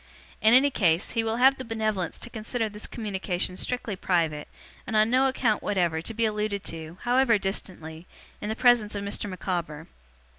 In any case, he will have the benevolence to consider this communication strictly private, and on no account whatever to be alluded to, however distantly, in the presence of Mr. Micawber.